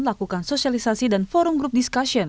melakukan sosialisasi dan forum group discussion